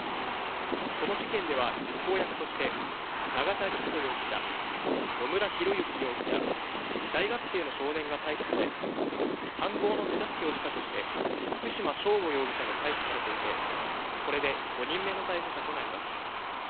この事件では実行役として、永田陸人容疑者、野村広之容疑者、大学生の少年が逮捕され、犯行の手助けをしたとして、福島聖悟容疑者も逮捕されていて、これで５人目の逮捕者となります。